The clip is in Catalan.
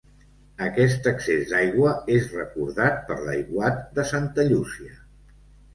Aquest excés d’aigua és recordat per l’aiguat de Santa Llúcia.